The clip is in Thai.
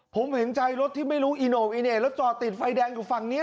ผมเห็นใจรถที่ไม่รู้อีโน่อีเน่แล้วจอดติดไฟแดงอยู่ฝั่งนี้